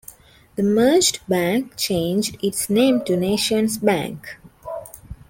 The merged bank changed its name to NationsBank.